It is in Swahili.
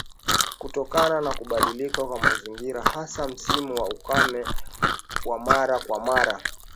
Kutokana na kubadilika kwa mazingira hasa msimu wa ukame wa mara kwa mara